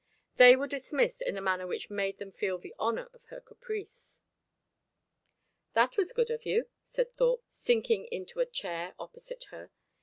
They were dismissed in a manner which made them feel the honour of her caprice. "That was good of you," said Thorpe, sinking into a chair opposite her.